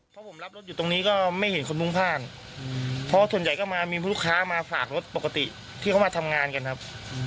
เพราะผมรับรถอยู่ตรงนี้ก็ไม่เห็นคนมุ่งพ่านเพราะส่วนใหญ่ก็มามีลูกค้ามาฝากรถปกติที่เขามาทำงานกันครับ